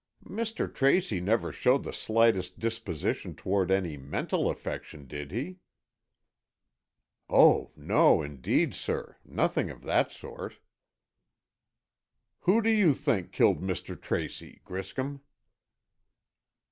"Mr. Tracy never showed the slightest disposition toward any mental affection, did he?" "Oh, no, indeed, sir. Nothing of that sort." "Who do you think killed Mr. Tracy, Griscom?"